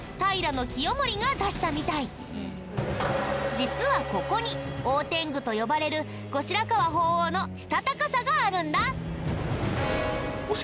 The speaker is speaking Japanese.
実はここに大天狗と呼ばれる後白河法皇のしたたかさがあるんだ。